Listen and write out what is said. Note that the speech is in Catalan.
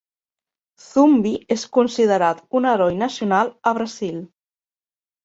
Zumbi és considerat un heroi nacional a Brasil.